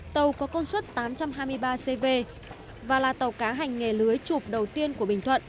tàu có công suất tám trăm hai mươi ba cv và là tàu cá hành nghề lưới chụp đầu tiên của bình thuận